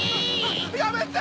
やめて！